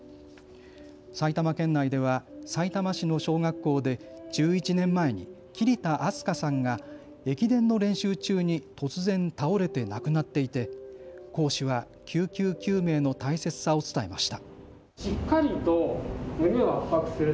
埼玉県内では、さいたま市の小学校で１１年前に桐田明日香さんが駅伝の練習中に突然、倒れて亡くなっていて講師は救急救命の大切さを伝えました。